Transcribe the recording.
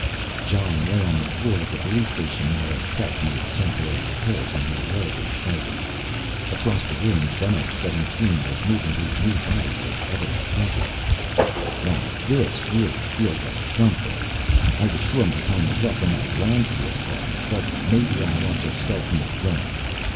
Jon lay on the floor of the police station while a tech made temporary repairs on his leg and shoulder. Across the room Venex 17 was moving his new body with evident pleasure. "Now this really feels like something! I was sure my time was up when that land slip caught me. But maybe I ought to start from the beginning."